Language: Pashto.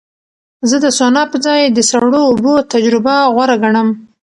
زه د سونا په ځای د سړو اوبو تجربه غوره ګڼم.